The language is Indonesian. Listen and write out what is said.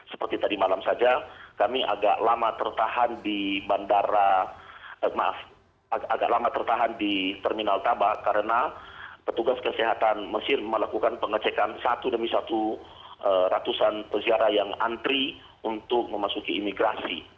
seperti tadi malam saja kami agak lama tertahan di bandara maaf agak lama tertahan di terminal tabak karena petugas kesehatan mesir melakukan pengecekan satu demi satu ratusan peziarah yang antri untuk memasuki imigrasi